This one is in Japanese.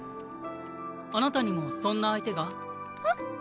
あなたにもそんな相手が？えっ？